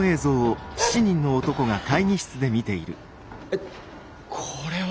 「えっこれは。